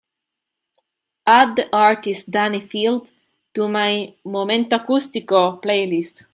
add the artist dani filth to my momento acústico playlist